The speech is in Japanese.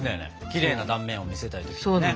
きれいな断面を見せたい時とかね。